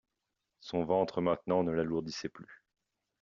Son ventre maintenant ne l'alourdissait plus.